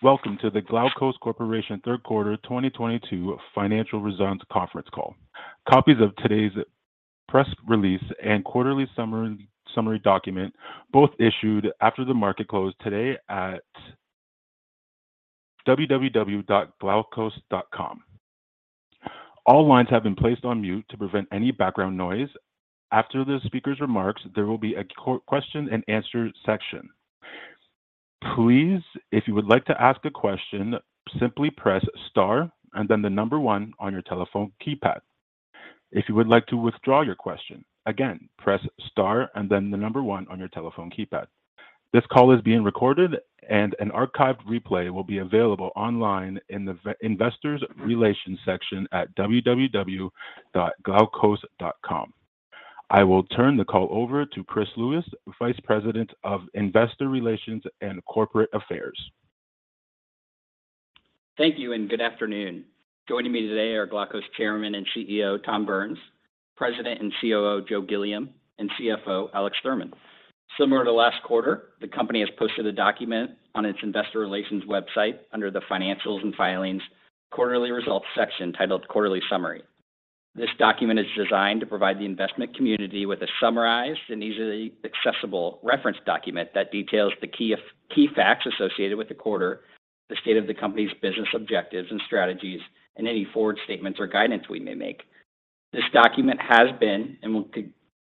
Welcome to the Glaukos Corporation third quarter 2022 financial results conference call. Copies of today's press release and quarterly summary document both issued after the market closed today at www.glaukos.com. All lines have been placed on mute to prevent any background noise. After the speaker's remarks, there will be a question and answer section. Please, if you would like to ask a question, simply press star and then the number one on your telephone keypad. If you would like to withdraw your question, again, press star and then the number one on your telephone keypad. This call is being recorded and an archived replay will be available online in the investors relations section at www.glaukos.com. I will turn the call over to Chris Lewis, Vice President of Investor Relations and Corporate Affairs. Thank you and good afternoon. Joining me today are Glaukos's Chairman and CEO, Thomas Burns, President and COO, Joseph Gilliam, and CFO, Alex Thurman. Similar to last quarter, the company has posted a document on its investor relations website under the Financials and Filings Quarterly Results section titled Quarterly Summary. This document is designed to provide the investment community with a summarized and easily accessible reference document that details the key facts associated with the quarter, the state of the company's business objectives and strategies, and any forward statements or guidance we may make. This document has been and will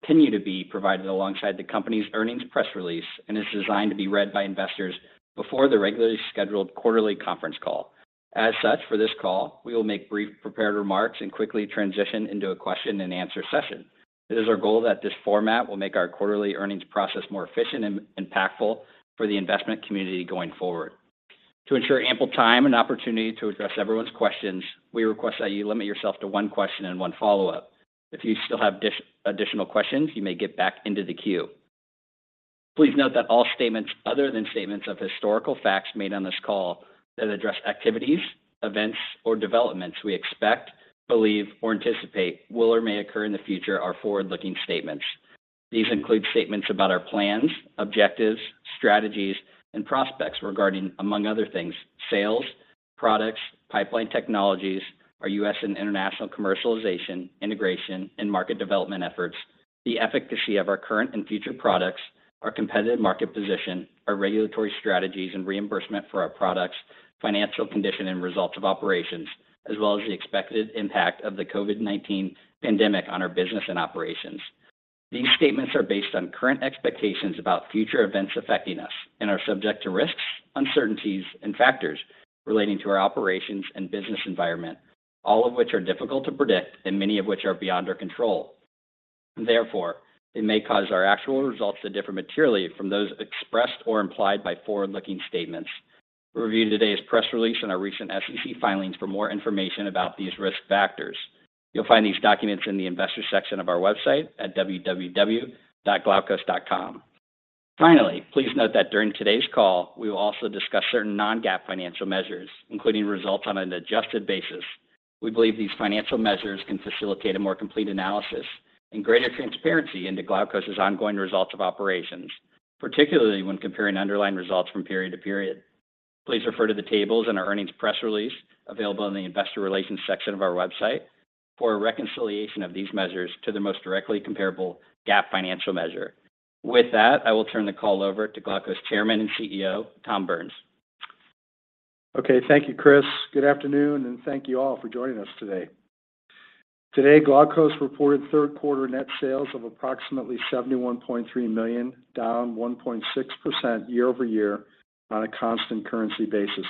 continue to be provided alongside the company's earnings press release and is designed to be read by investors before the regularly scheduled quarterly conference call. As such, for this call, we will make brief prepared remarks and quickly transition into a question and answer session. It is our goal that this format will make our quarterly earnings process more efficient and impactful for the investment community going forward. To ensure ample time and opportunity to address everyone's questions, we request that you limit yourself to one question and one follow-up. If you still have additional questions, you may get back into the queue. Please note that all statements other than statements of historical facts made on this call that address activities, events, or developments we expect, believe, or anticipate will or may occur in the future are forward-looking statements. These include statements about our plans, objectives, strategies, and prospects regarding, among other things, sales, products, pipeline technologies, our US and international commercialization, integration, and market development efforts, the efficacy of our current and future products, our competitive market position, our regulatory strategies and reimbursement for our products, financial condition and results of operations, as well as the expected impact of the COVID-19 pandemic on our business and operations. These statements are based on current expectations about future events affecting us and are subject to risks, uncertainties, and factors relating to our operations and business environment, all of which are difficult to predict and many of which are beyond our control. Therefore, it may cause our actual results to differ materially from those expressed or implied by forward-looking statements. Review today's press release and our recent SEC filings for more information about these risk factors. You'll find these documents in the investor section of our website at www.glaukos.com. Finally, please note that during today's call, we will also discuss certain non-GAAP financial measures, including results on an adjusted basis. We believe these financial measures can facilitate a more complete analysis and greater transparency into Glaukos's ongoing results of operations, particularly when comparing underlying results from period to period. Please refer to the tables in our earnings press release available in the investor relations section of our website for a reconciliation of these measures to the most directly comparable GAAP financial measure. With that, I will turn the call over to Glaukos's Chairman and CEO, Thomas Burns. Okay, thank you, Chris. Good afternoon, and thank you all for joining us today. Today, Glaukos reported third quarter net sales of approximately $71.3 million, down 1.6% year-over-year on a constant currency basis.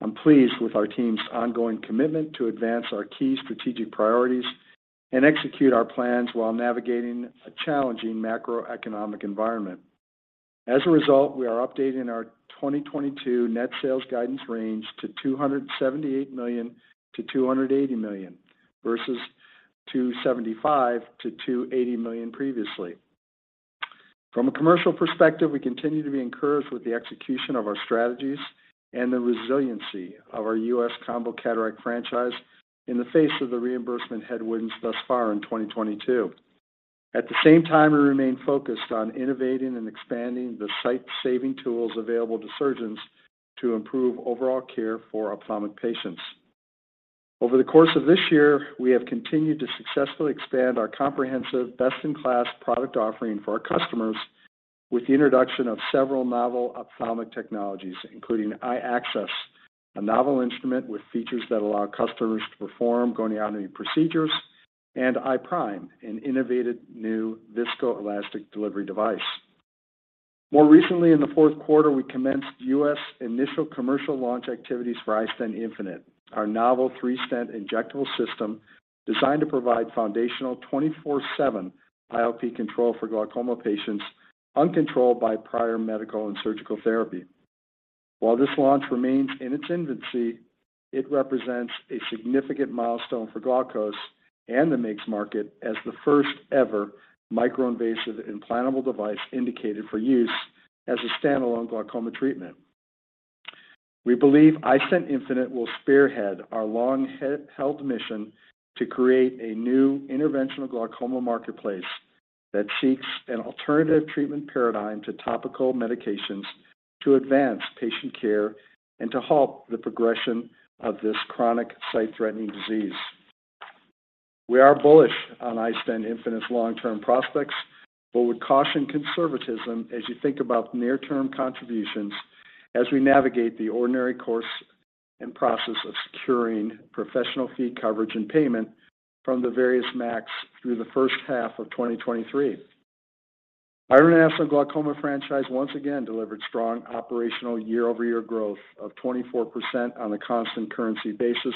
I'm pleased with our team's ongoing commitment to advance our key strategic priorities and execute our plans while navigating a challenging macroeconomic environment. As a result, we are updating our 2022 net sales guidance range to $278 million-$280 million versus $275 million-$280 million previously. From a commercial perspective, we continue to be encouraged with the execution of our strategies and the resiliency of our U.S. combo cataract franchise in the face of the reimbursement headwinds thus far in 2022. At the same time, we remain focused on innovating and expanding the sight-saving tools available to surgeons to improve overall care for ophthalmic patients. Over the course of this year, we have continued to successfully expand our comprehensive best-in-class product offering for our customers with the introduction of several novel ophthalmic technologies, including iAccess, a novel instrument with features that allow customers to perform goniotomy procedures, and iPRIME, an innovative new viscoelastic delivery device. More recently, in the fourth quarter, we commenced U.S. initial commercial launch activities for iStent infinite, our novel 3-stent injectable system designed to provide foundational 24/7 IOP control for glaucoma patients uncontrolled by prior medical and surgical therapy. While this launch remains in its infancy, it represents a significant milestone for Glaukos and the MIGS market as the first ever microinvasive implantable device indicated for use as a standalone glaucoma treatment. We believe iStent infinite will spearhead our long-held mission to create a new interventional glaucoma marketplace that seeks an alternative treatment paradigm to topical medications to advance patient care and to halt the progression of this chronic sight-threatening disease. We are bullish on iStent infinite's long-term prospects, but would caution conservatism as you think about near-term contributions as we navigate the ordinary course and process of securing professional fee coverage and payment from the various MACs through the first half of 2023. Our international glaucoma franchise once again delivered strong operational year-over-year growth of 24% on a constant currency basis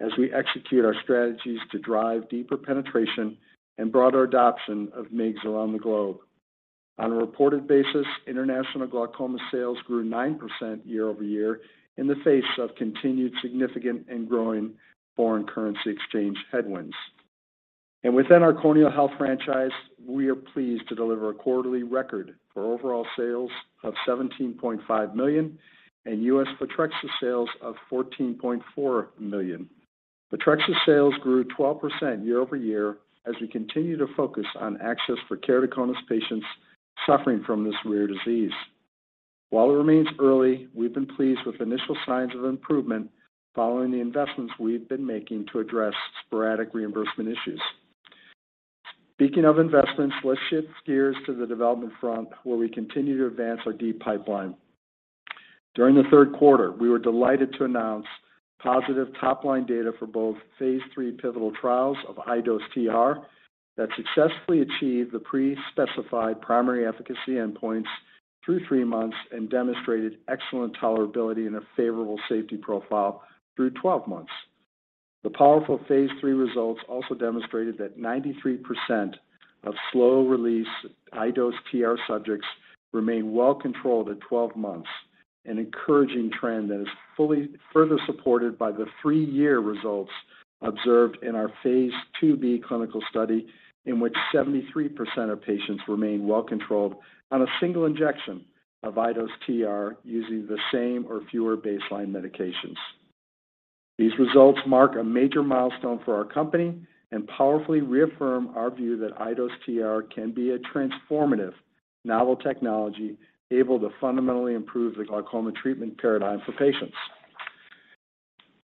as we execute our strategies to drive deeper penetration and broader adoption of MIGS around the globe. On a reported basis, international glaucoma sales grew 9% year-over-year in the face of continued significant and growing foreign currency exchange headwinds. Within our corneal health franchise, we are pleased to deliver a quarterly record for overall sales of $17.5 million and U.S. Photrexa sales of $14.4 million. Photrexa sales grew 12% year-over-year as we continue to focus on access for keratoconus patients suffering from this rare disease. While it remains early, we've been pleased with initial signs of improvement following the investments we've been making to address sporadic reimbursement issues. Speaking of investments, let's shift gears to the development front where we continue to advance our deep pipeline. During the third quarter, we were delighted to announce positive top-line data for both phase 3 pivotal trials of iDose TR that successfully achieved the pre-specified primary efficacy endpoints through 3 months and demonstrated excellent tolerability and a favorable safety profile through 12 months. The powerful phase 3 results also demonstrated that 93% of slow-release iDose TR subjects remain well controlled at 12 months, an encouraging trend that is further supported by the 3-year results observed in our phase 2b clinical study in which 73% of patients remain well controlled on a single injection of iDose TR using the same or fewer baseline medications. These results mark a major milestone for our company and powerfully reaffirm our view that iDose TR can be a transformative novel technology able to fundamentally improve the glaucoma treatment paradigm for patients.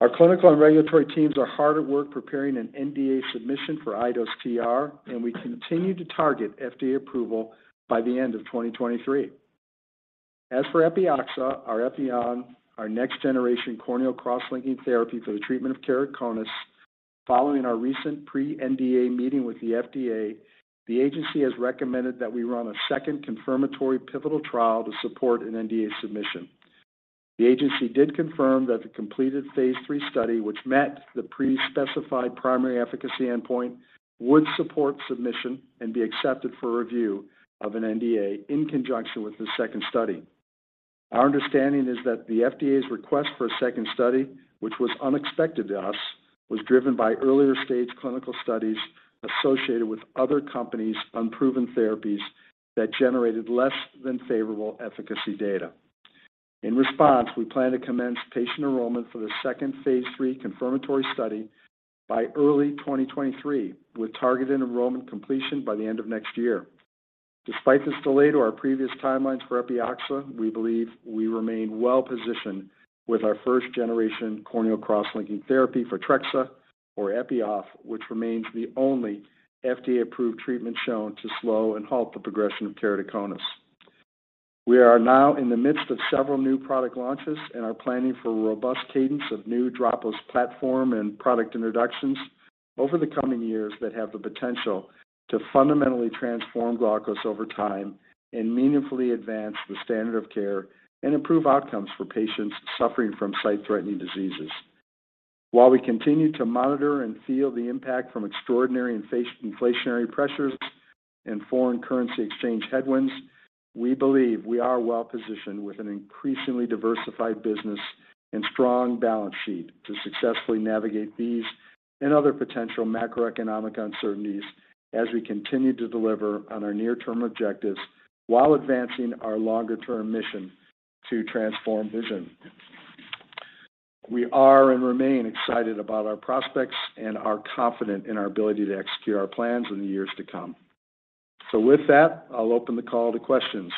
Our clinical and regulatory teams are hard at work preparing an NDA submission for iDose TR, and we continue to target FDA approval by the end of 2023. As for Epioxa, our next generation corneal cross-linking therapy for the treatment of keratoconus. Following our recent pre-NDA meeting with the FDA, the agency has recommended that we run a second confirmatory pivotal trial to support an NDA submission. The agency did confirm that the completed phase three study, which met the pre-specified primary efficacy endpoint, would support submission and be accepted for review of an NDA in conjunction with the second study. Our understanding is that the FDA's request for a second study, which was unexpected to us, was driven by earlier stage clinical studies associated with other companies' unproven therapies that generated less than favorable efficacy data. In response, we plan to commence patient enrollment for the second phase 3 confirmatory study by early 2023, with targeted enrollment completion by the end of next year. Despite this delay to our previous timelines for Epioxa, we believe we remain well-positioned with our first generation corneal cross-linking therapy Photrexa or Epi-Off, which remains the only FDA-approved treatment shown to slow and halt the progression of keratoconus. We are now in the midst of several new product launches and are planning for a robust cadence of new dropless platform and product introductions over the coming years that have the potential to fundamentally transform Glaukos over time and meaningfully advance the standard of care and improve outcomes for patients suffering from sight-threatening diseases. While we continue to monitor and feel the impact from extraordinary inflationary pressures and foreign currency exchange headwinds, we believe we are well-positioned with an increasingly diversified business and strong balance sheet to successfully navigate these and other potential macroeconomic uncertainties as we continue to deliver on our near-term objectives while advancing our longer-term mission to transform vision. We are and remain excited about our prospects and are confident in our ability to execute our plans in the years to come. With that, I'll open the call to questions.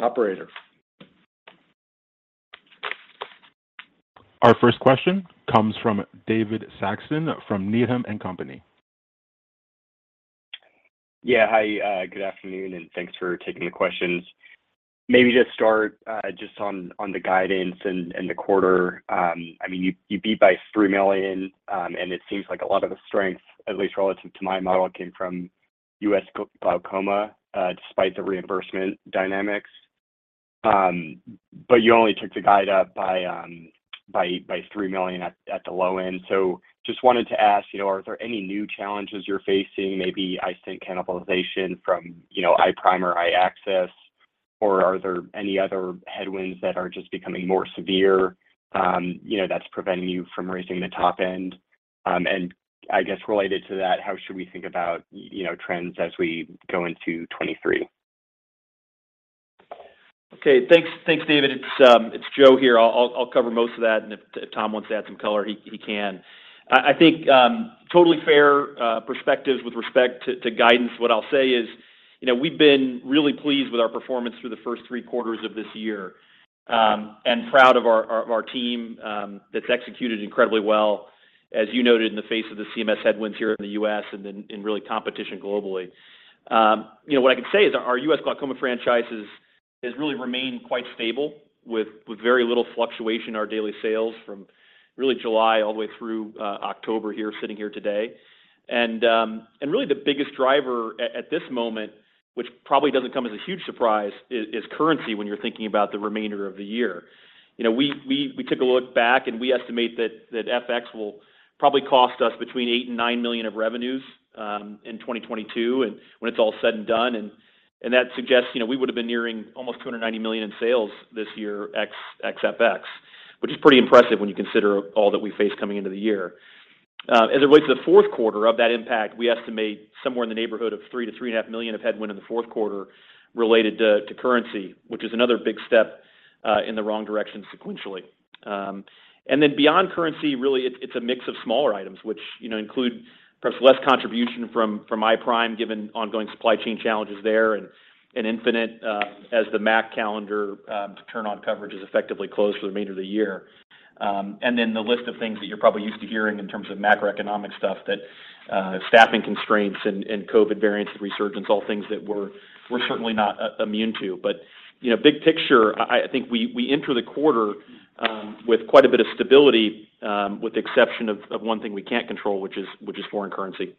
Operator. Our first question comes from David Saxon from Needham & Company. Yeah. Hi. Good afternoon, and thanks for taking the questions. Maybe just start just on the guidance and the quarter. I mean, you beat by $3 million, and it seems like a lot of the strength, at least relative to my model, came from U.S. glaucoma, despite the reimbursement dynamics. You only took the guide up by $3 million at the low end. Just wanted to ask are there any new challenges you're facing, maybe iStent cannibalization from iStent or iAccess, or are there any other headwinds that are just becoming more severe that's preventing you from raising the top end? I guess related to that, how should we think about trends as we go into 2023? Okay. Thanks. Thanks, David. It's Joe here. I'll cover most of that, and if Tom wants to add some color, he can. I think totally fair perspectives with respect to guidance. What I'll say is we've been really pleased with our performance through the first three quarters of this year, and proud of our team that's executed incredibly well, as you noted, in the face of the CMS headwinds here in the U.S. and then, really, in competition globally. You know, what I can say is our U.S. glaucoma franchise has really remained quite stable with very little fluctuation in our daily sales from early July all the way through October here, sitting here today. Really the biggest driver at this moment, which probably doesn't come as a huge surprise, is currency when you're thinking about the remainder of the year. You know, we took a look back, and we estimate that FX will probably cost us between $8 million and $9 million of revenues in 2022 and when it's all said and done. That suggests we would've been nearing almost $290 million in sales this year ex FX, which is pretty impressive when you consider all that we faced coming into the year. As it relates to the fourth quarter of that impact, we estimate somewhere in the neighborhood of $3 million-$3.5 million of headwind in the fourth quarter related to currency, which is another big step in the wrong direction sequentially. Beyond currency, really it's a mix of smaller items, which include perhaps less contribution from iPRIME given ongoing supply chain challenges there and iStent infinite, as the MACs calendar to turn on coverage is effectively closed for the remainder of the year. The list of things that you're probably used to hearing in terms of macroeconomic stuff that staffing constraints and COVID variants and resurgence, all things that we're certainly not immune to. You know, big picture, I think we enter the quarter with quite a bit of stability, with the exception of one thing we can't control, which is foreign currency.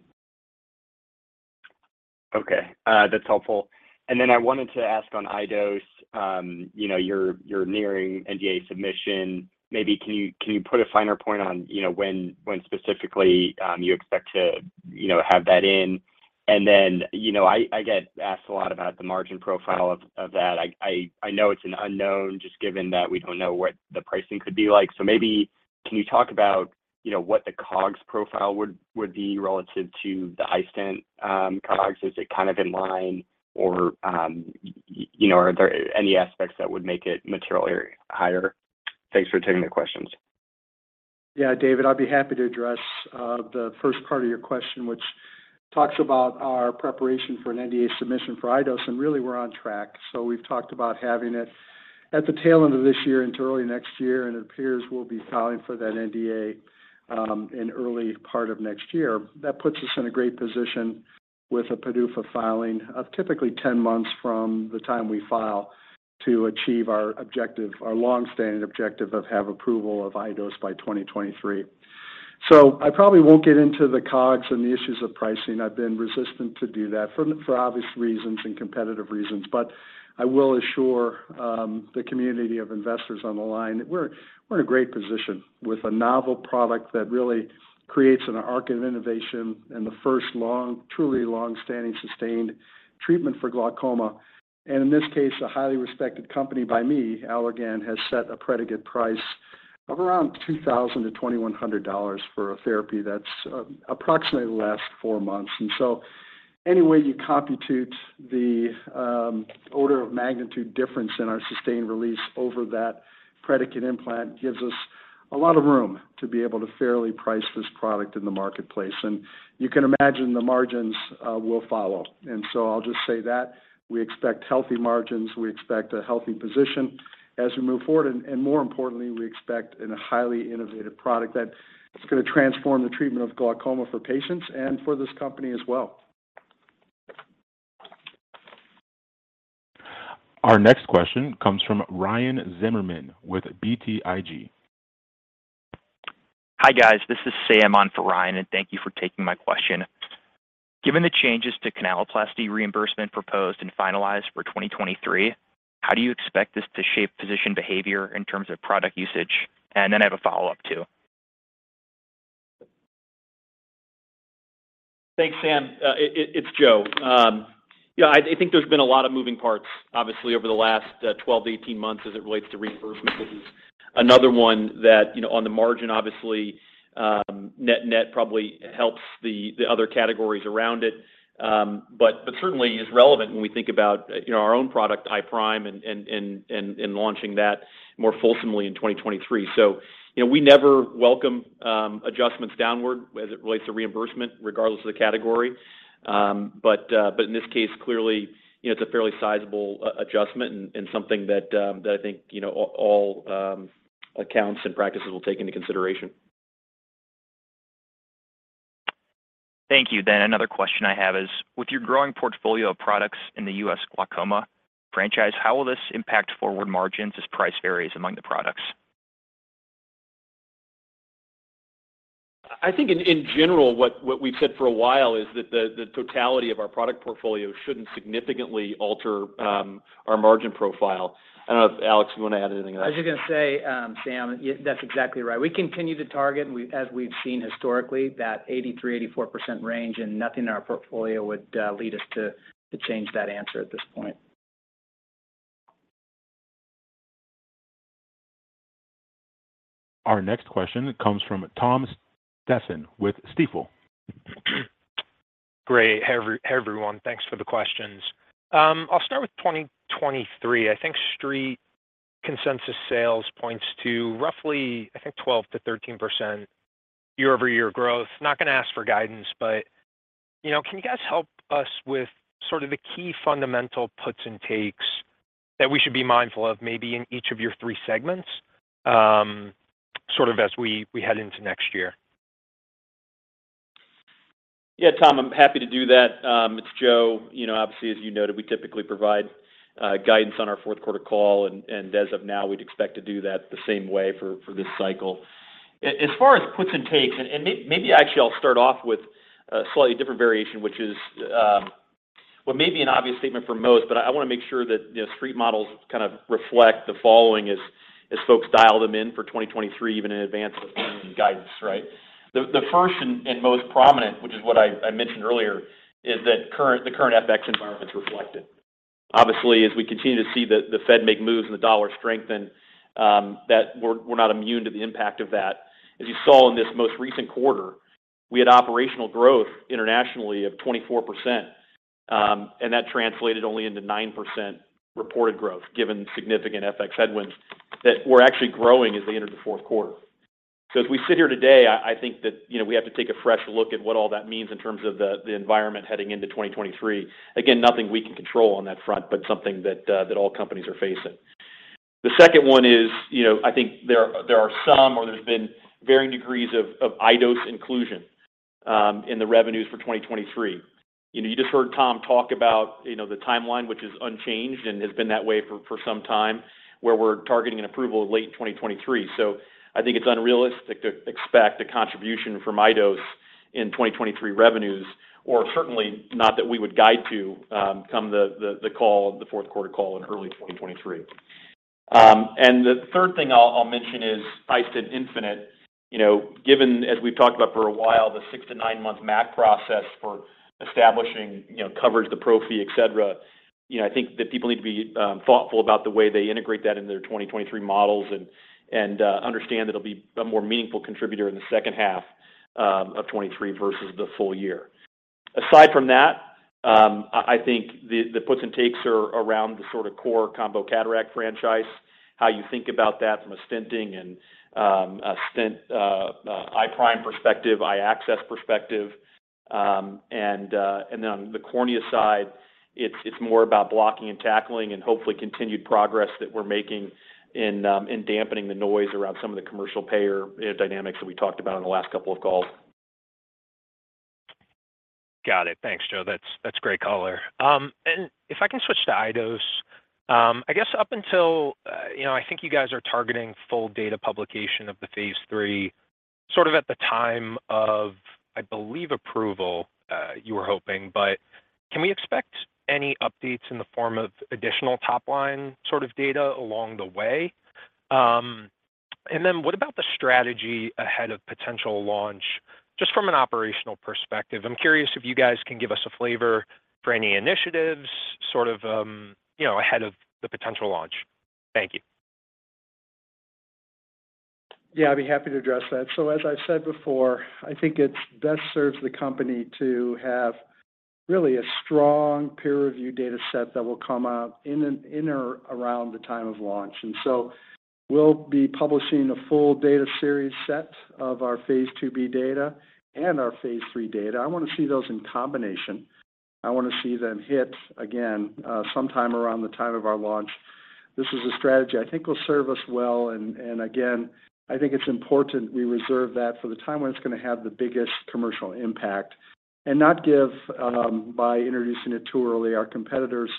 Okay. That's helpful. I wanted to ask on iDose you're nearing NDA submission. Maybe can you put a finer point on when specifically you expect to have that in? You know, I get asked a lot about the margin profile of that. I know it's an unknown just given that we don't know what the pricing could be like. Maybe can you talk about what the COGS profile would be relative to the iStent COGS? Is it kind of in line or are there any aspects that would make it materially higher? Thanks for taking the questions. Yeah, David, I'd be happy to address the first part of your question, which talks about our preparation for an NDA submission for iDose, and really we're on track. We've talked about having it at the tail end of this year into early next year, and it appears we'll be filing for that NDA in early part of next year. That puts us in a great position with a PDUFA filing of typically 10 months from the time we file to achieve our objective, our long-standing objective of have approval of iDose by 2023. I probably won't get into the COGS and the issues of pricing. I've been resistant to do that for obvious reasons and competitive reasons. I will assure the community of investors on the line that we're in a great position with a novel product that really creates an arc of innovation and the first long, truly long-standing sustained treatment for glaucoma. In this case, a highly respected company by me, Allergan, has set a predicate price of around $2,000-$2,100 for a therapy that's approximately lasts four months. Any way you compute the order of magnitude difference in our sustained release over that predicate implant gives us a lot of room to be able to fairly price this product in the marketplace. You can imagine the margins will follow. I'll just say that we expect healthy margins. We expect a healthy position as we move forward. More importantly, we expect in a highly innovative product that it's gonna transform the treatment of glaucoma for patients and for this company as well. Our next question comes from Ryan Zimmerman with BTIG. Hi, guys. This is Sam on for Ryan, and thank you for taking my question. Given the changes to canaloplasty reimbursement proposed and finalized for 2023, how do you expect this to shape physician behavior in terms of product usage? I have a follow-up, too. Thanks, Sam. It's Joe. Yeah, I think there's been a lot of moving parts, obviously, over the last 12-18 months as it relates to reimbursement. This is another one that on the margin, obviously, net-net probably helps the other categories around it. Certainly is relevant when we think about our own product, iPRIME, and launching that more fulsomely in 2023. You know, we never welcome adjustments downward as it relates to reimbursement, regardless of the category. In this case, clearly it's a fairly sizable adjustment and something that I think all accounts and practices will take into consideration. Thank you. Another question I have is, with your growing portfolio of products in the U.S. glaucoma franchise, how will this impact forward margins as price varies among the products? I think in general what we've said for a while is that the totality of our product portfolio shouldn't significantly alter our margin profile. I don't know if, Alex, you want to add anything to that. I was just gonna say, Sam, yeah, that's exactly right. We continue to target, as we've seen historically, that 83%-84% range, and nothing in our portfolio would lead us to change that answer at this point. Our next question comes from Thomas Stephan with Stifel. Great. Hey, everyone. Thanks for the questions. I'll start with 2023. I think street consensus sales points to roughly, I think, 12%-13% year-over-year growth. Not gonna ask for guidance, but can you guys help us with sort of the key fundamental puts and takes that we should be mindful of maybe in each of your three segments, sort of as we head into next year? Yeah, Tom, I'm happy to do that. It's Joe. You know, obviously, as you noted, we typically provide guidance on our fourth quarter call, and as of now, we'd expect to do that the same way for this cycle. As far as puts and takes, and maybe actually I'll start off with a slightly different variation, which is what may be an obvious statement for most, but I wanna make sure that street models kind of reflect the following as folks dial them in for 2023, even in advance of any guidance, right? The first and most prominent, which is what I mentioned earlier, is that the current FX environment's reflected. Obviously, as we continue to see the Fed make moves and the dollar strengthen, that we're not immune to the impact of that. As you saw in this most recent quarter, we had operational growth internationally of 24%, and that translated only into 9% reported growth, given significant FX headwinds that were actually growing as they entered the fourth quarter. As we sit here today, I think that we have to take a fresh look at what all that means in terms of the environment heading into 2023. Again, nothing we can control on that front, but something that all companies are facing. The second one is I think there are some, or there's been varying degrees of iDose inclusion in the revenues for 2023. You know, you just heard Tom talk about the timeline, which is unchanged and has been that way for some time, where we're targeting an approval of late 2023. I think it's unrealistic to expect a contribution from iDose in 2023 revenues, or certainly not that we would guide to come the call, the fourth quarter call in early 2023. The third thing I'll mention is iStent infinite. You know, given, as we've talked about for a while, the 6- to 9-month MAC process for establishing coverage, the professional fee, et cetera. You know, I think that people need to be thoughtful about the way they integrate that into their 2023 models and understand that it'll be a more meaningful contributor in the second half of 2023 versus the full year. Aside from that, I think the puts and takes are around the sort of core combo cataract franchise, how you think about that from a stenting and iStent iPRIME perspective, iAccess perspective. On the cornea side, it's more about blocking and tackling and hopefully continued progress that we're making in dampening the noise around some of the commercial payer dynamics that we talked about on the last couple of calls. Got it. Thanks, Joe. That's great color. If I can switch to iDose. I guess up until you know, I think you guys are targeting full data publication of the phase 3, sort of at the time of, I believe, approval, you were hoping. Can we expect any updates in the form of additional top-line sort of data along the way? What about the strategy ahead of potential launch, just from an operational perspective? I'm curious if you guys can give us a flavor for any initiatives, sort of ahead of the potential launch. Thank you. Yeah, I'd be happy to address that. As I've said before, I think it's best serves the company to have really a strong peer-reviewed data set that will come out in or around the time of launch. We'll be publishing a full data series set of our phase 2b data and our phase 3 data. I wanna see those in combination. I wanna see them hit again sometime around the time of our launch. This is a strategy I think will serve us well. Again, I think it's important we reserve that for the time when it's gonna have the biggest commercial impact and not give by introducing it too early, our competitors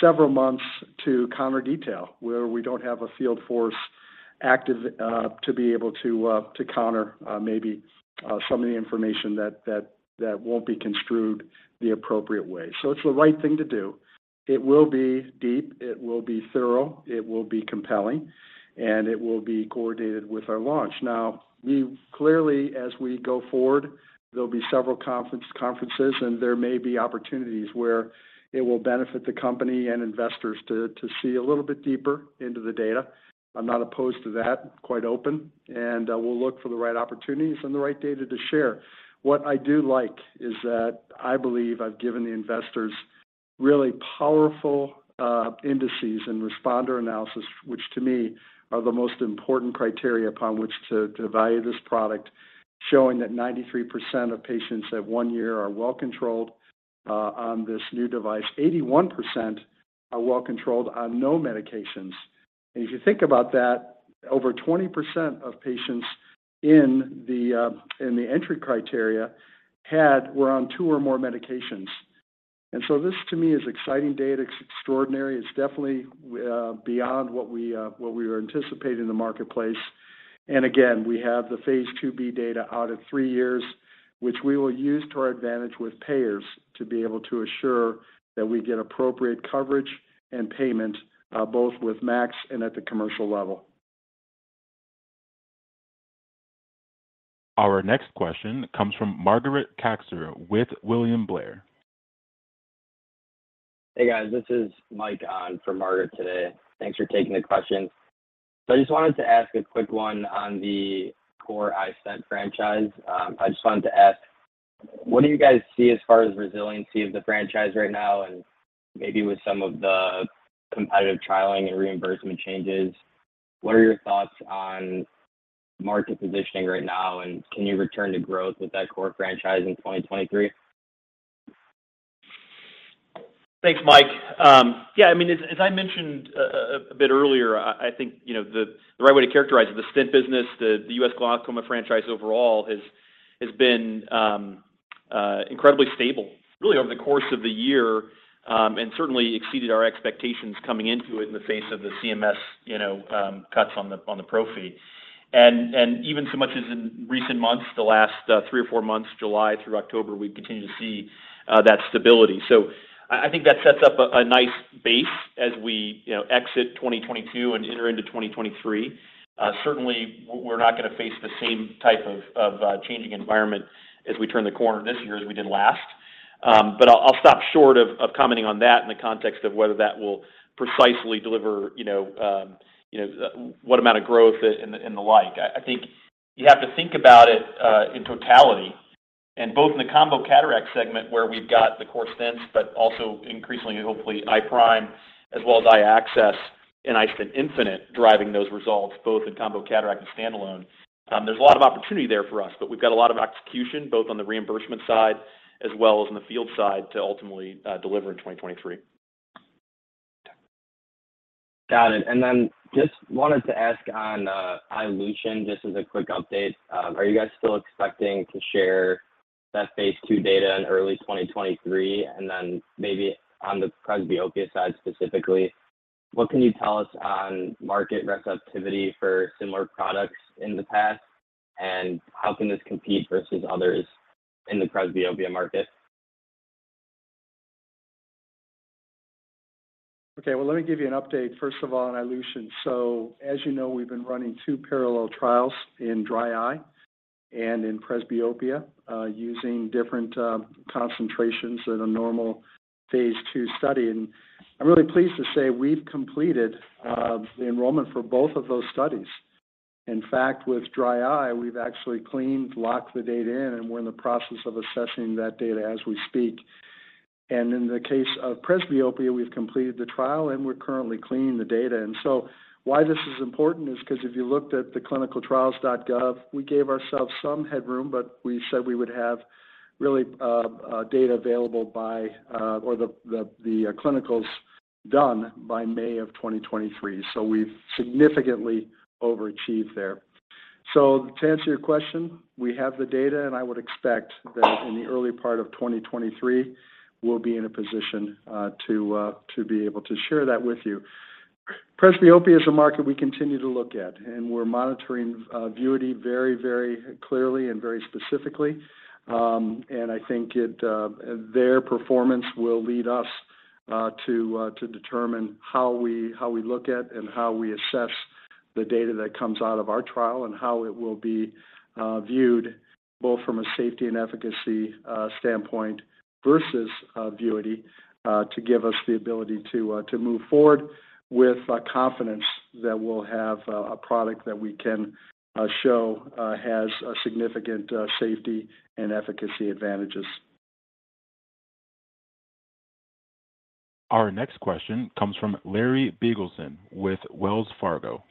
several months to counter detail, where we don't have a field force active to be able to counter maybe some of the information that won't be construed the appropriate way. It's the right thing to do. It will be deep, it will be thorough, it will be compelling, and it will be coordinated with our launch. Now, we clearly, as we go forward, there'll be several conferences, and there may be opportunities where it will benefit the company and investors to see a little bit deeper into the data. I'm not opposed to that, quite open, and we'll look for the right opportunities and the right data to share. What I do like is that I believe I've given the investors really powerful indices and responder analysis, which to me are the most important criteria upon which to value this product, showing that 93% of patients at 1 year are well controlled on this new device. 81% are well controlled on no medications. If you think about that, over 20% of patients in the entry criteria were on 2 or more medications. This to me is exciting data. It's extraordinary. It's definitely beyond what we were anticipating in the marketplace. Again, we have the phase 2B data out at 3 years, which we will use to our advantage with payers to be able to assure that we get appropriate coverage and payment, both with MACs and at the commercial level. Our next question comes from Margaret Kaczor with William Blair. Hey guys, this is Mike on for Margaret today. Thanks for taking the questions. I just wanted to ask a quick one on the core iStent franchise. I just wanted to ask, what do you guys see as far as resiliency of the franchise right now? And maybe with some of the competitive trialing and reimbursement changes, what are your thoughts on market positioning right now, and can you return to growth with that core franchise in 2023? Thanks, Mike. Yeah, I mean, as I mentioned a bit earlier, I think the right way to characterize it, the stent business, the U.S. glaucoma franchise overall has been incredibly stable really over the course of the year, and certainly exceeded our expectations coming into it in the face of the CMS cuts on the pro fee. Even so much as in recent months, the last three or four months, July through October, we've continued to see that stability. I think that sets up a nice base as we exit 2022 and enter into 2023. Certainly we're not gonna face the same type of changing environment as we turn the corner this year as we did last. I'll stop short of commenting on that in the context of whether that will precisely know what amount of growth and the like. I think you have to think about it in totality and both in the combo cataract segment where we've got the core stents, but also increasingly and hopefully iPRIME as well as iAccess and iStent infinite driving those results both in combo cataract and standalone. There's a lot of opportunity there for us, but we've got a lot of execution both on the reimbursement side as well as on the field side to ultimately deliver in 2023. Got it. Just wanted to ask on iLution, just as a quick update. Are you guys still expecting to share that phase 2 data in early 2023? Maybe on the presbyopia side specifically, what can you tell us on market receptivity for similar products in the past, and how can this compete versus others in the presbyopia market? Okay. Well, let me give you an update first of all on iLution. As you know, we've been running two parallel trials in dry eye and in presbyopia using different concentrations in a normal phase two study. I'm really pleased to say we've completed the enrollment for both of those studies. In fact, with dry eye, we've actually cleaned, locked the data in, and we're in the process of assessing that data as we speak. In the case of presbyopia, we've completed the trial, and we're currently cleaning the data. Why this is important is because if you looked at the ClinicalTrials.gov, we gave ourselves some headroom, but we said we would have really data available by or the clinicals done by May of 2023. We've significantly overachieved there. To answer your question, we have the data, and I would expect that in the early part of 2023, we'll be in a position to be able to share that with you. Presbyopia is a market we continue to look at, and we're monitoring Vuity very, very clearly and very specifically. I think their performance will lead us to determine how we look at and how we assess the data that comes out of our trial and how it will be viewed both from a safety and efficacy standpoint versus Vuity to give us the ability to move forward with confidence that we'll have a product that we can show has significant safety and efficacy advantages. Our next question comes from Larry Biegelsen with Wells Fargo.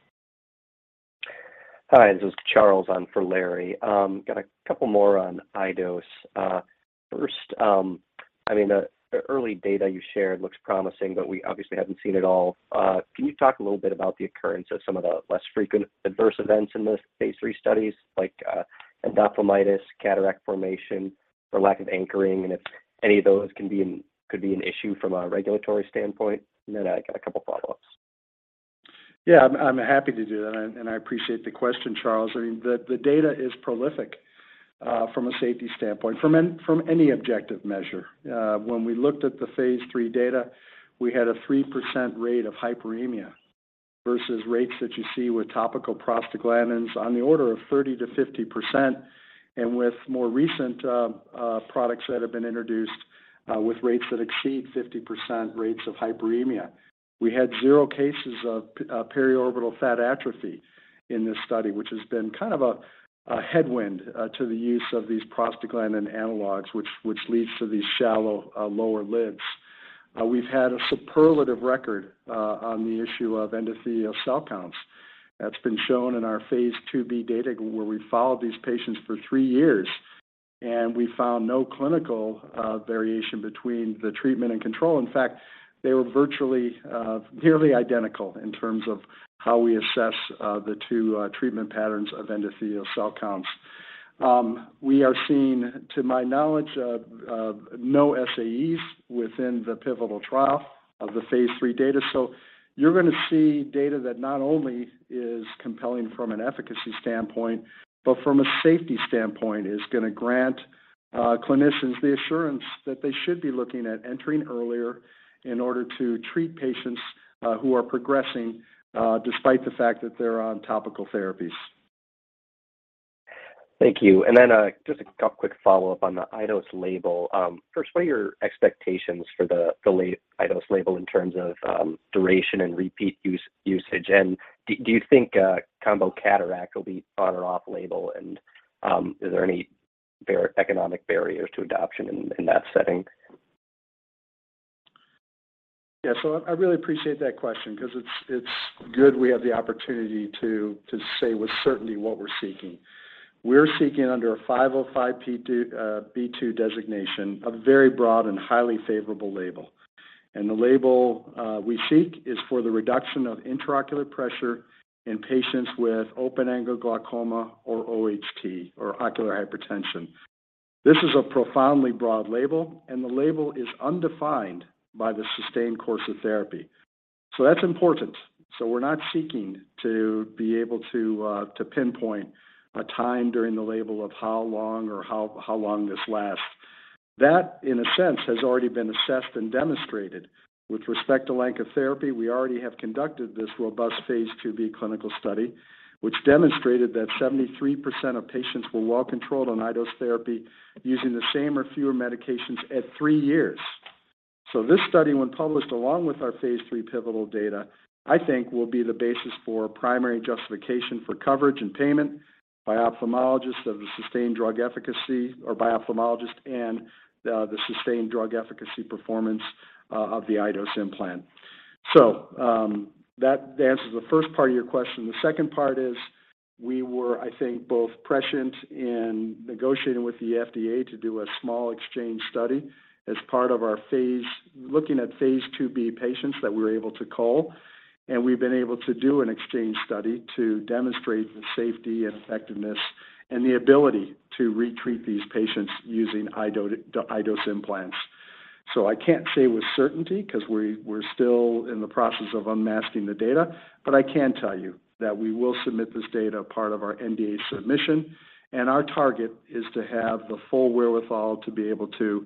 Hi, this is Charles on for Larry Biegelsen. Got a couple more on iDose. First, I mean, the early data you shared looks promising, but we obviously haven't seen it all. Can you talk a little bit about the occurrence of some of the less frequent adverse events in the phase 3 studies like endophthalmitis, cataract formation, or lack of anchoring, and if any of those could be an issue from a regulatory standpoint? Then I got a couple follow-ups. Yeah, I'm happy to do that. I appreciate the question, Charles. I mean, the data is prolific from a safety standpoint, from any objective measure. When we looked at the phase 3 data, we had a 3% rate of hyperemia versus rates that you see with topical prostaglandins on the order of 30%-50%, and with more recent products that have been introduced, with rates that exceed 50% rates of hyperemia. We had 0 cases of periorbital fat atrophy in this study, which has been kind of a headwind to the use of these prostaglandin analogs, which leads to these shallow lower lids. We've had a superlative record on the issue of endothelial cell count. That's been shown in our phase 2B data where we followed these patients for 3 years, and we found no clinical variation between the treatment and control. In fact, they were virtually nearly identical in terms of how we assess the two treatment patterns of endothelial cell count. We are seeing, to my knowledge, no SAEs within the pivotal trial of the phase 3 data. You're gonna see data that not only is compelling from an efficacy standpoint, but from a safety standpoint is gonna grant clinicians the assurance that they should be looking at entering earlier in order to treat patients who are progressing despite the fact that they're on topical therapies. Thank you. Just a couple quick follow-up on the iDose label. First, what are your expectations for the iDose label in terms of duration and repeat usage? Do you think combo cataract will be on or off label? Is there any economic barriers to adoption in that setting? Yeah. I really appreciate that question because it's good we have the opportunity to say with certainty what we're seeking. We're seeking under a 505(b)(2) designation, a very broad and highly favorable label. The label we seek is for the reduction of intraocular pressure in patients with open-angle glaucoma or OHT, or ocular hypertension. This is a profoundly broad label, and the label is undefined by the sustained course of therapy. That's important. We're not seeking to be able to pinpoint a time during the label of how long or how long this lasts. That, in a sense, has already been assessed and demonstrated. With respect to length of therapy, we already have conducted this robust phase 2B clinical study, which demonstrated that 73% of patients were well controlled on iDose therapy using the same or fewer medications at 3 years. This study, when published along with our phase 3 pivotal data, I think will be the basis for primary justification for coverage and payment by ophthalmologists of the sustained drug efficacy or by ophthalmologists and the sustained drug efficacy performance of the iDose implant. That answers the first part of your question. The second part is we were, I think, both prescient in negotiating with the FDA to do a small exchange study looking at phase 2B patients that we were able to call. We've been able to do an exchange study to demonstrate the safety and effectiveness and the ability to retreat these patients using iDose implants. I can't say with certainty because we're still in the process of unmasking the data, but I can tell you that we will submit this data as part of our NDA submission. Our target is to have the full wherewithal to be able to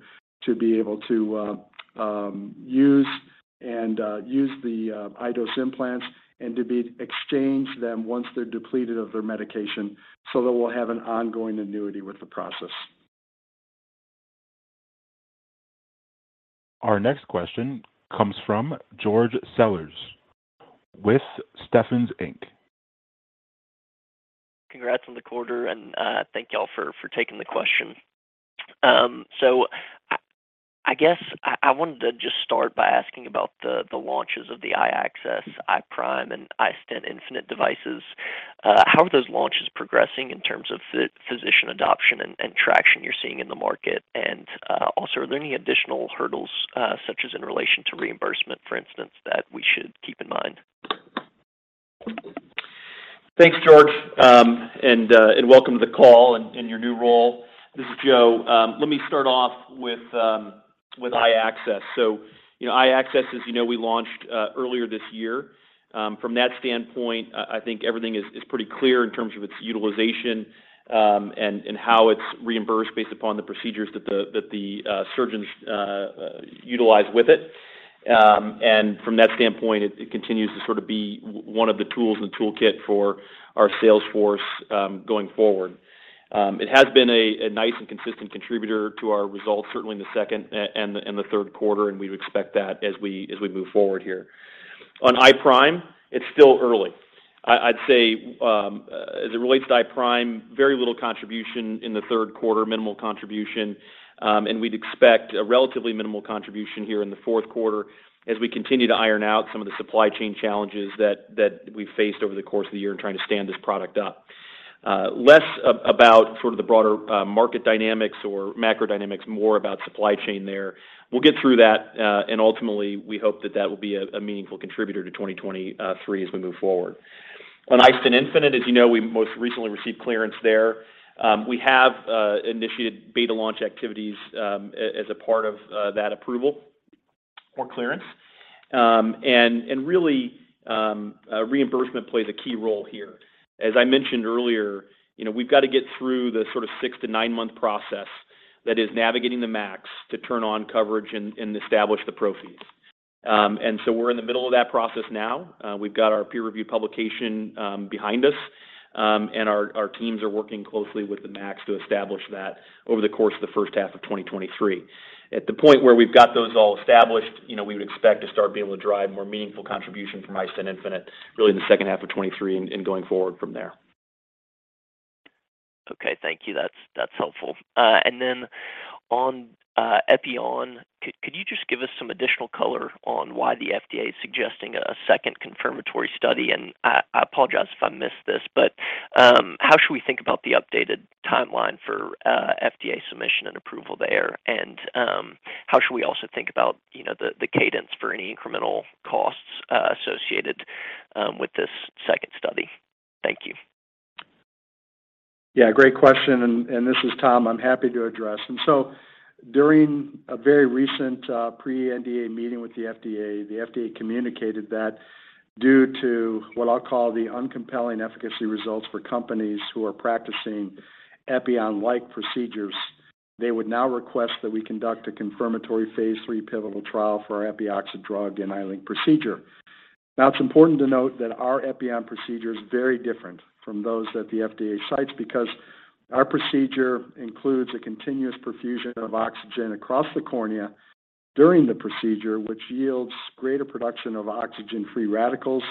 use the iDose implants and exchange them once they're depleted of their medication so that we'll have an ongoing annuity with the process. Our next question comes from George Sellers with Stephens Inc. Congrats on the quarter, and thank you all for taking the question. So I guess I wanted to just start by asking about the launches of the iAccess, iPRIME, and iStent infinite devices. How are those launches progressing in terms of physician adoption and traction you're seeing in the market? Also, are there any additional hurdles, such as in relation to reimbursement, for instance, that we should keep in mind? Thanks, George. Welcome to the call and your new role. This is Joe. Let me start off with iAccess. You know, iAccess, as you know, we launched earlier this year. From that standpoint, I think everything is pretty clear in terms of its utilization, and how it's reimbursed based upon the procedures that the surgeons utilize with it. From that standpoint, it continues to sort of be one of the tools in the toolkit for our sales force, going forward. It has been a nice and consistent contributor to our results, certainly in the second and third quarter, and we would expect that as we move forward here. On iPRIME, it's still early. I'd say, as it relates to iPRIME, very little contribution in the third quarter, minimal contribution, and we'd expect a relatively minimal contribution here in the fourth quarter as we continue to iron out some of the supply chain challenges that we've faced over the course of the year in trying to stand this product up. Less about sort of the broader market dynamics or macro dynamics, more about supply chain there. We'll get through that, and ultimately, we hope that that will be a meaningful contributor to 2023 as we move forward. On iStent infinite, as you know, we most recently received clearance there. We have initiated beta launch activities as a part of that approval or clearance. Really, reimbursement plays a key role here. As I mentioned earlier we've got to get through the sort of 6-9-month process that is navigating the MACs to turn on coverage and establish the pro fees. We're in the middle of that process now. We've got our peer review publication behind us, and our teams are working closely with the MACs to establish that over the course of the first half of 2023. At the point where we've got those all established we would expect to start being able to drive more meaningful contribution from iStent infinite really in the second half of 2023 and going forward from there. Okay. Thank you. That's helpful. On Epioxa, could you just give us some additional color on why the FDA is suggesting a second confirmatory study? I apologize if I missed this, but how should we think about the updated timeline for FDA submission and approval there? How should we also think about you know the cadence for any incremental costs associated with this second study? Thank you. Yeah, great question. This is Tom. I'm happy to address. During a very recent pre-NDA meeting with the FDA, the FDA communicated that due to what I'll call the uncompelling efficacy results for companies who are practicing epi-on-like procedures, they would now request that we conduct a confirmatory phase three pivotal trial for our Epioxa epi-on procedure. Now, it's important to note that our epi-on procedure is very different from those that the FDA cites because our procedure includes a continuous perfusion of oxygen across the cornea during the procedure, which yields greater production of oxygen-free radicals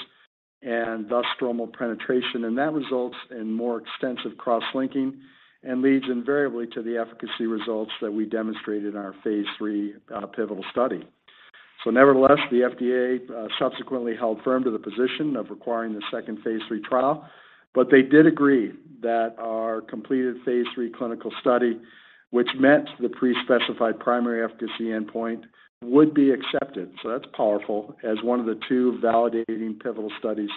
and thus stromal penetration. That results in more extensive cross-linking and leads invariably to the efficacy results that we demonstrated in our phase three pivotal study. Nevertheless, the FDA subsequently held firm to the position of requiring the second Phase 3 trial, but they did agree that our completed Phase 3 clinical study, which met the pre-specified primary efficacy endpoint, would be accepted. That's powerful as one of the two validating pivotal studies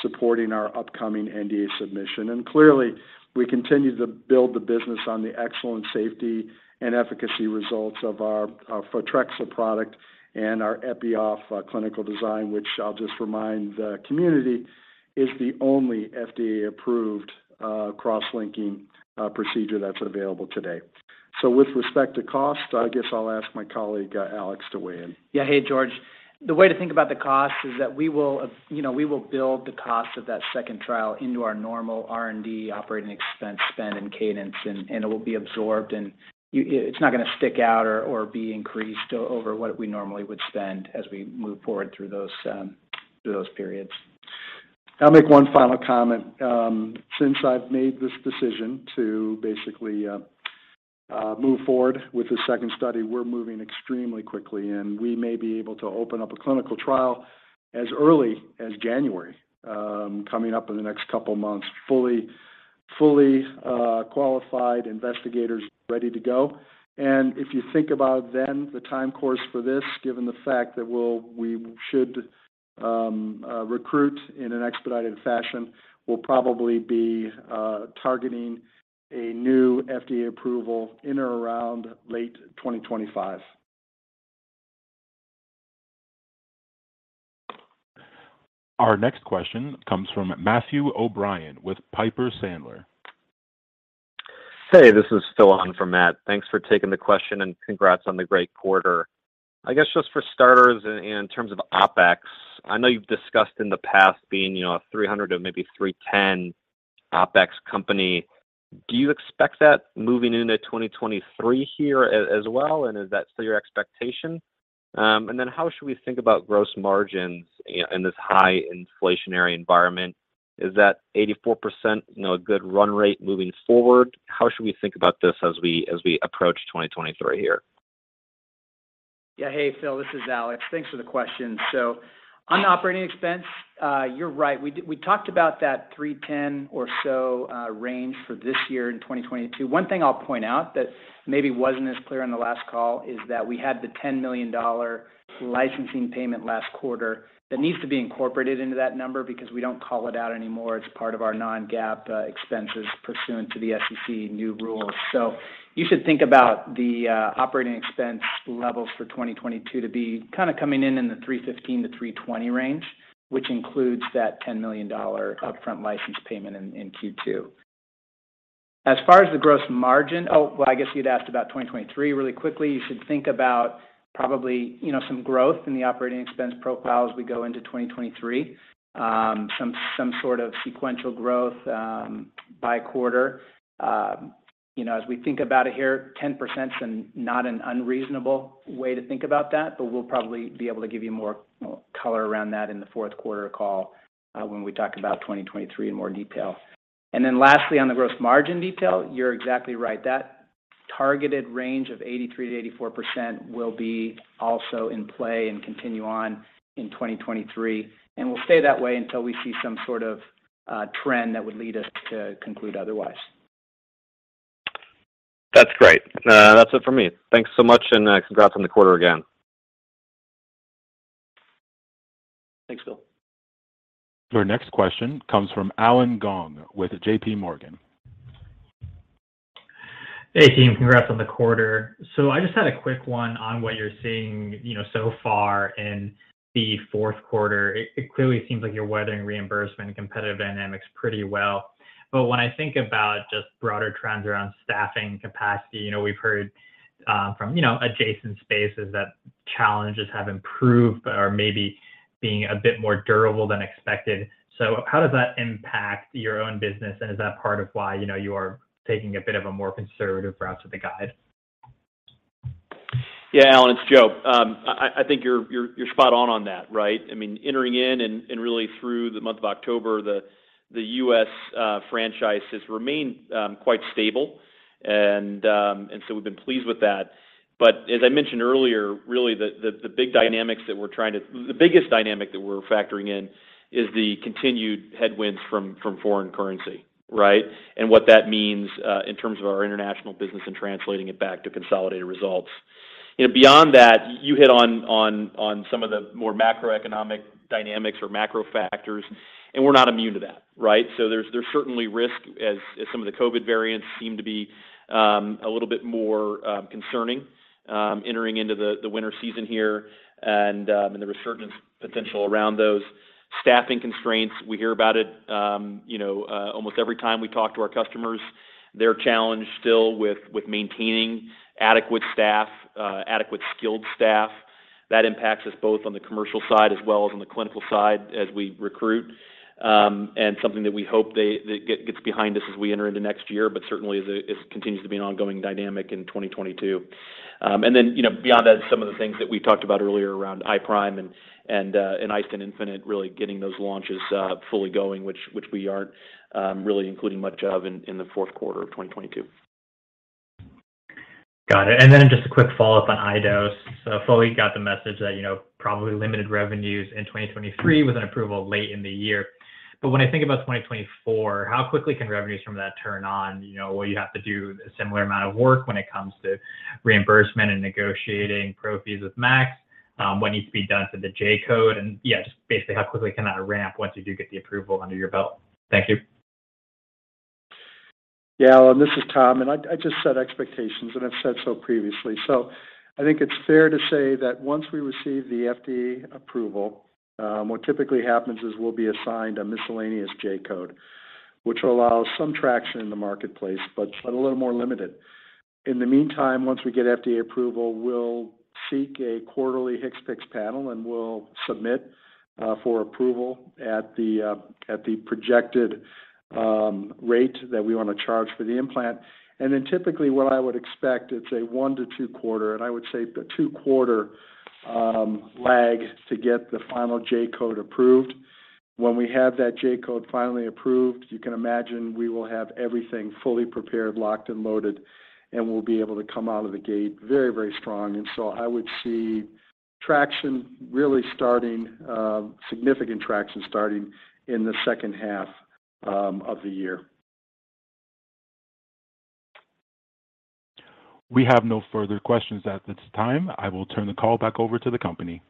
supporting our upcoming NDA submission. Clearly, we continue to build the business on the excellent safety and efficacy results of our Photrexa product and our Epi-Off clinical design, which I'll just remind the community, is the only FDA-approved cross-linking procedure that's available today. With respect to cost, I guess I'll ask my colleague, Alex, to weigh in. Yeah. Hey, George. The way to think about the cost is that we will build the cost of that second trial into our normal R&D operating expense spend and cadence, and it will be absorbed and it's not gonna stick out or be increased over what we normally would spend as we move forward through those periods. I'll make one final comment. Since I've made this decision to basically move forward with the second study, we're moving extremely quickly, and we may be able to open up a clinical trial as early as January coming up in the next couple of months. Fully qualified investigators ready to go. If you think about then the time course for this, given the fact that we should recruit in an expedited fashion, we'll probably be targeting a new FDA approval in or around late 2025. Our next question comes from Matthew O'Brien with Piper Sandler. Hey, this is Phil Hong for Matt. Thanks for taking the question, and congrats on the great quarter. I guess just for starters in terms of OpEx, I know you've discussed in the past being a 300 to maybe 310 OpEx company. Do you expect that moving into 2023 here as well, and is that still your expectation? And then how should we think about gross margins in this high inflationary environment? Is that 84% a good run rate moving forward? How should we think about this as we approach 2023 here? Yeah. Hey, Phil, this is Alex. Thanks for the question. On the operating expense, you're right. We talked about that $310 or so range for this year in 2022. One thing I'll point out that maybe wasn't as clear on the last call is that we had the $10 million licensing payment last quarter that needs to be incorporated into that number because we don't call it out anymore as part of our non-GAAP expenses pursuant to the SEC new rules. You should think about the operating expense levels for 2022 to be kind of coming in the $315-$320 range, which includes that $10 million upfront license payment in Q2. As far as the gross margin. I guess you'd asked about 2023 really quickly. You should think about probably some growth in the operating expense profile as we go into 2023. Some sort of sequential growth by quarter. You know, as we think about it here, 10% is not an unreasonable way to think about that, but we'll probably be able to give you more color around that in the fourth quarter call when we talk about 2023 in more detail. Lastly, on the gross margin detail, you're exactly right. That targeted range of 83%-84% will be also in play and continue on in 2023, and will stay that way until we see some sort of trend that would lead us to conclude otherwise. That's great. That's it for me. Thanks so much, and congrats on the quarter again. Thanks, Phil. Your next question comes from Allen Gong with J.P. Morgan. Hey, team. Congrats on the quarter. I just had a quick one on what you're seeing so far in the fourth quarter. It clearly seems like you're weathering reimbursement and competitive dynamics pretty well. When I think about just broader trends around staffing capacity we've heard from adjacent spaces that challenges have improved or maybe being a bit more durable than expected. How does that impact your own business, and is that part of why you are taking a bit of a more conservative route to the guide? Yeah, Allen, it's Joe. I think you're spot on on that, right? I mean, entering in and really through the month of October, the U.S. franchise has remained quite stable. We've been pleased with that. As I mentioned earlier, really the biggest dynamic that we're factoring in is the continued headwinds from foreign currency, right? What that means in terms of our international business and translating it back to consolidated results. You know, beyond that, you hit on some of the more macroeconomic dynamics or macro factors, and we're not immune to that, right? There's certainly risk as some of the COVID variants seem to be a little bit more concerning entering into the winter season here and the resurgence potential around those. Staffing constraints, we hear about it almost every time we talk to our customers. They're challenged still with maintaining adequate staff, adequate skilled staff. That impacts us both on the commercial side as well as on the clinical side as we recruit. Something that we hope that gets behind us as we enter into next year, but certainly continues to be an ongoing dynamic in 2022. You know, beyond that, some of the things that we talked about earlier around iPRIME and iStent infinite really getting those launches fully going, which we aren't really including much of in the fourth quarter of 2022. Got it. Just a quick follow-up on iDose. Fully got the message that probably limited revenues in 2023 with an approval late in the year. When I think about 2024, how quickly can revenues from that turn on? You know, will you have to do a similar amount of work when it comes to reimbursement and negotiating pro fees with MACs? What needs to be done to the J-code? Yeah, just basically how quickly can that ramp once you do get the approval under your belt? Thank you. Yeah. This is Tom, and I just set expectations, and I've said so previously. I think it's fair to say that once we receive the FDA approval, what typically happens is we'll be assigned a miscellaneous J-code, which will allow some traction in the marketplace, but a little more limited. In the meantime, once we get FDA approval, we'll seek a quarterly HCPCS panel, and we'll submit for approval at the projected rate that we want to charge for the implant. Typically what I would expect, it's a 1-2 quarter, and I would say a 2-quarter lag to get the final J-code approved. When we have that J-code finally approved, you can imagine we will have everything fully prepared, locked, and loaded, and we'll be able to come out of the gate very, very strong. I would see traction really starting, significant traction starting in the second half of the year. We have no further questions at this time. I will turn the call back over to the company.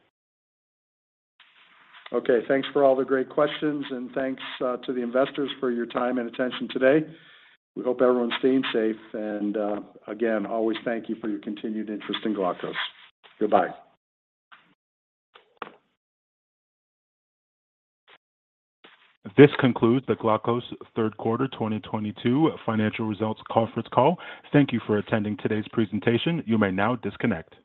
Okay. Thanks for all the great questions, and thanks to the investors for your time and attention today. We hope everyone's staying safe, and again, always thank you for your continued interest in Glaukos. Goodbye. This concludes the Glaukos third quarter 2022 financial results conference call. Thank you for attending today's presentation. You may now disconnect.